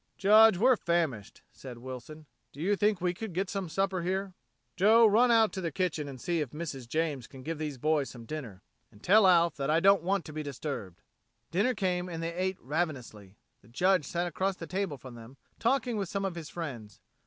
"Judge, we're famished," said Wilson. "Do you think we could get some supper here?" "Joe, run out to the kitchen and see if Mrs. James can give these boys some dinner. And tell Alf that I don't want to be disturbed." Dinner came and they ate ravenously. The Judge sat across the table from them, talking with some of his friends.